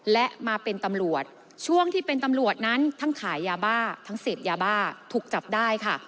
และมาเป็นตำรวจช่วงที่เป็นตำรวจนั้นทั้งขายยาบ้าทั้งเสพยาบ้าถูกจับได้ค่ะ